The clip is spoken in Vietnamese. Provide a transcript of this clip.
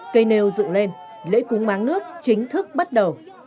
cây nêu dựng lên lễ cúng máng nước chính thức bắt đầu